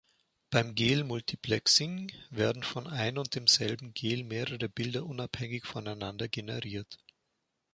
Beim Gel-Multiplexing werden von ein und demselben Gel mehrere Bilder unabhängig voneinander generiert.